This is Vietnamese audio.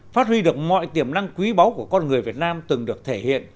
phát huy được mọi tiềm năng quý báu của con người việt nam từng được thể hiện